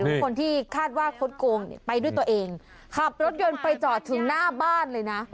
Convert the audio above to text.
คนที่คาดว่าคดโกงเนี่ยไปด้วยตัวเองขับรถยนต์ไปจอดถึงหน้าบ้านเลยนะ